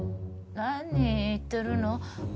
何言ってるの？